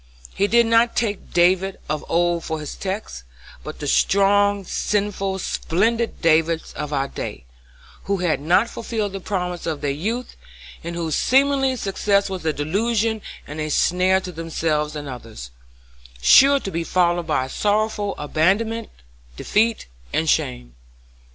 He did not take David of old for his text, but the strong, sinful, splendid Davids of our day, who had not fulfilled the promise of their youth, and whose seeming success was a delusion and a snare to themselves and others, sure to be followed by sorrowful abandonment, defeat, and shame.